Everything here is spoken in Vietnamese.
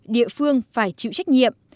địa phương phải chịu trách nhiệm